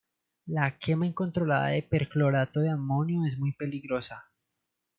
La quema incontrolada de perclorato de amonio es muy peligrosa.